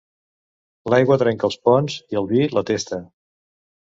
L'aigua trenca els ponts i el vi la testa.